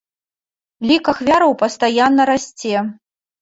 Лік ахвяраў пастаянна расце.